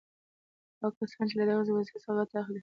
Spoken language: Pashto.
هغه کسان چې له دغسې وضعیت څخه ګټه اخلي.